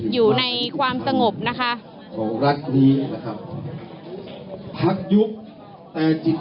อยู่ในความสงบนะคะของรักนี้นะครับพรรคยุคแต่จิต